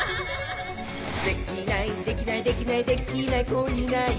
「できないできないできないできない子いないか」